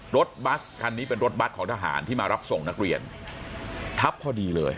รถบัสคันนี้เป็นรถบัตรของทหารที่มารับส่งนักเรียนทับพอดีเลย